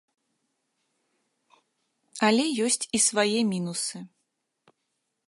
Але ёсць і свае мінусы.